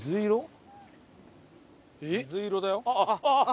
水色だよ。